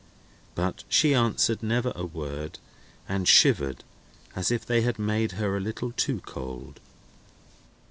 But she answered never a word, and shivered, as if they had made her a little too cold.